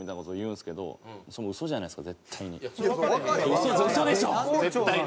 嘘でしょ絶対に。